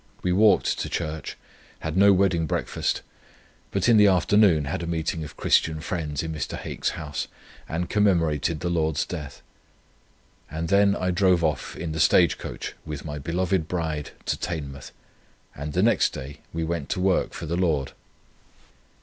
We walked to church, had no wedding breakfast, but in the afternoon had a meeting of Christian friends in Mr. Hake's house and commemorated the Lord's death; and then I drove off in the stagecoach with my beloved bride to Teignmouth, and the next day we went to work for the Lord.